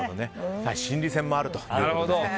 心理戦もあるということですね。